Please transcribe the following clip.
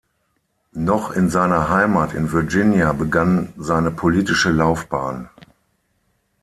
Noch in seiner Heimat in Virginia begann seine politische Laufbahn.